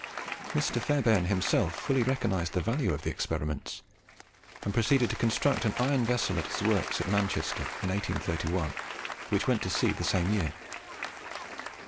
Mr. Fairbairn himself fully recognised the value of the experiments, and proceeded to construct an iron vessel at his works at Manchester, in 1831, which went to sea the same year.